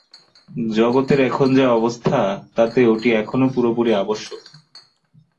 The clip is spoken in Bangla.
জগতের এখন যে অবস্থা, তাতে ওটি এখনও পুরোপুরি আবশ্যক।